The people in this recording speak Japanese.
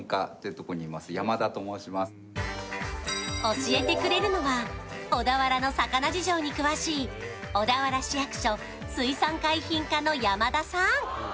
教えてくれるのは、小田原の魚事情に詳しい小田原市役所水産海浜課の山田さん。